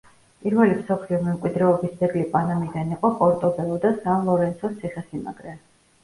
პირველი მსოფლიო მემკვიდრეობის ძეგლი პანამიდან იყო პორტობელო და სან-ლორენსოს ციხესიმაგრე.